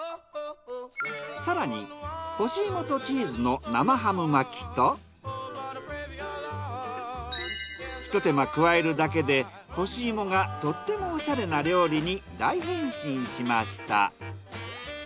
更に干し芋とチーズの生ハム巻きとひと手間加えるだけで干し芋がとってもおしゃれな料理に大変身しました。